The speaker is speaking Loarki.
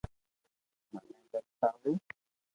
مني ترساوُ